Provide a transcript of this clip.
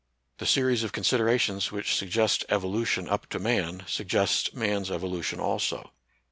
The series of considerations which suggest evolution up to man, suggest man's evo lution also.